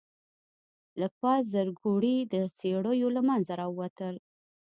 لږ پاس زرکوړي د څېړيو له منځه راووتل.